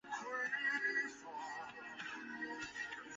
而举行感恩祭及神职人员起居的地方均在圣云仙小学内。